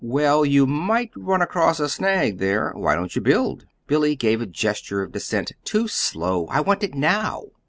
"Well, you might run across a snag there. Why don't you build?" Billy gave a gesture of dissent. "Too slow. I want it now."